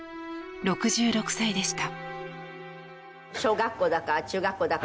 ６６歳でした。